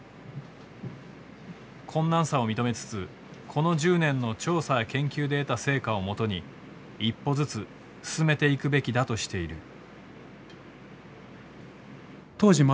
困難さを認めつつこの１０年の調査や研究で得た成果を基に一歩ずつ進めていくべきだとしている。